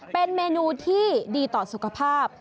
เป็นเมนูที่ดีต่อสุขภาพ